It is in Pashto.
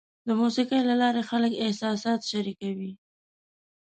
د موسیقۍ له لارې خلک احساسات شریکوي.